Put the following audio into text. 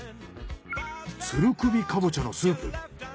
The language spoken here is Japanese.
鶴首かぼちゃのスープ。